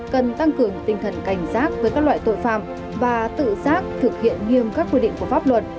cần tăng cường tinh thần cảnh giác với các loại tội phạm và tự giác thực hiện nghiêm các quy định của pháp luật